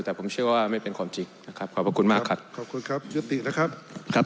แต่ผมเชื่อว่าไม่เป็นความจริงนะครับ